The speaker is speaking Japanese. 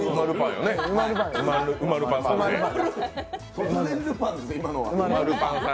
突然ルパンですよ、今のは。